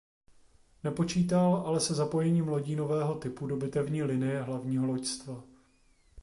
Nepočítal ale se zapojením lodí nového typu do bitevní linie hlavního loďstva.